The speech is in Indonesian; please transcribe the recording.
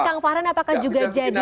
kang farhan apakah juga jadi